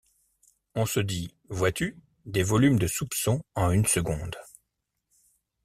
On se dit, vois-tu, des volumes de soupçons en une seconde!